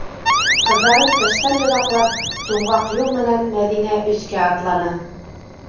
Ҡыҙҙарын тыштан йоҙаҡлап, туңғаҡ юл менән Мәҙинә өҫкә атланы.